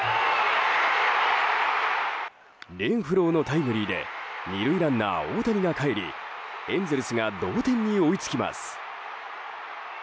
レンフローのタイムリーで２塁ランナー大谷がかえりエンゼルスが同点に追いつきます。